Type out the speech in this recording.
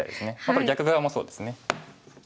これ逆側もそうですね。